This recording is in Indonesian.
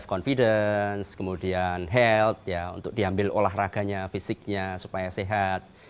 untuk berhati hati untuk diambil olahraga fisiknya supaya sehat